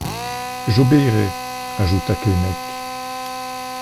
J'obéirai ! ajouta Keinec.